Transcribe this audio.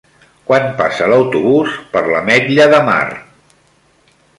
Quan passa l'autobús per l'Ametlla de Mar?